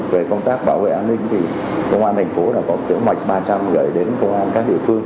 về công tác bảo vệ an ninh thì công an tp hcm đã có tiểu mạch ba trăm linh gửi đến công an các địa phương